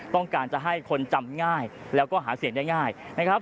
ต้องการจะให้คนจำง่ายแล้วก็หาเสียงได้ง่ายนะครับ